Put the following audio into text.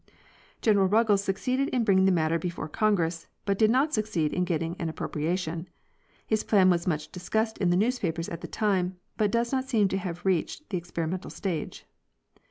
General Ruggles succeeded in bringing the matter before Con egress, but did not succeed in getting an appropriation. His' plan was much discussed in the newspapers at the time, but . e does not seem to have reached the experimental stage.